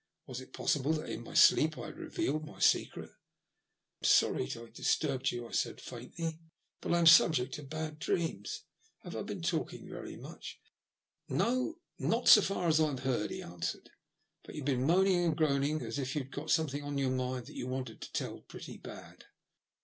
Was it possible that in my sleep I had revealed my secret ?" I am sorry I disturbed you," I said, faintly, " but I am subject to bad dreams. Have I been talking very much?" 108 THE LUST OP HATE. " Not 80 far as I've heard/* he answered ;but you've been moaning and groaning as if you'd got something on your mind that you wanted to tell pretty bad."